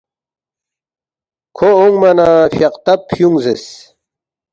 کھو اونگما نہ فیاختب فیُونگ زیرس